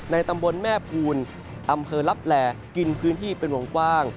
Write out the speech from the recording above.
ตำบลแม่ภูลอำเภอลับแหล่กินพื้นที่เป็นวงกว้าง